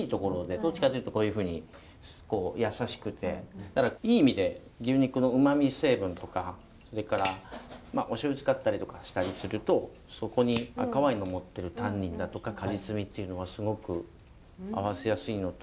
どっちかっていうと優しくていい意味で牛肉のうまみ成分とかおしょうゆを使ったりしたりするとそこに赤ワインの持ってるタンニンだとか果実味っていうのはすごく合わせやすいのと。